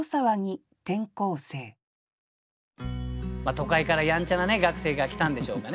都会からやんちゃな学生が来たんでしょうかね。